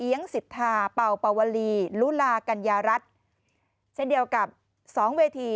สิทธาเป่าปวลีลุลากัญญารัฐเช่นเดียวกับสองเวที